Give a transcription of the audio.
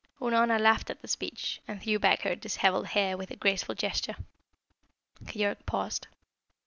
Unorna laughed at the speech, and threw back her dishevelled hair with a graceful gesture. Keyork paused.